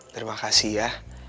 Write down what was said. terima kasih ya